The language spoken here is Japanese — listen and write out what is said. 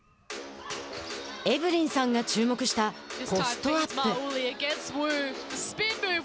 エブリンさんが注目したポストアップ。